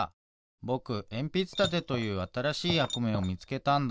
ぼくえんぴつたてというあたらしいやくめをみつけたんだ。